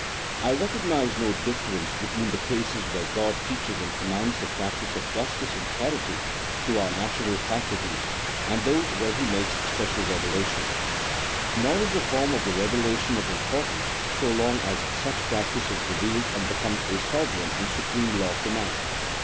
I recognize no difference between the cases where God teaches and commands the practice of justice and charity through our natural faculties, and those where He makes special revelations ; nor is the form of the revelation of im portance so long as such practice is revealed and becomes a sovereign and supreme law to men.